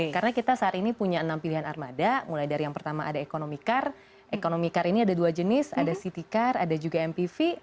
karena kita saat ini punya enam pilihan armada mulai dari yang pertama ada ekonomi car ekonomi car ini ada dua jenis ada city car ada juga mpv